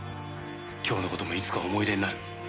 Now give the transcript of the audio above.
今日のこともいつか思い出になる。